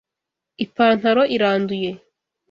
Ipantaro iranduye.